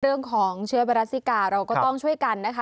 เรื่องของเชื้อไวรัสซิกาเราก็ต้องช่วยกันนะคะ